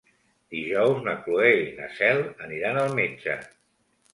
Dijous na Cloè i na Cel aniran al metge.